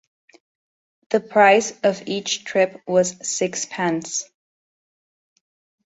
The price of each trip was six pence.